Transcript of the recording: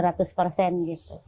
revitalisasi taman mini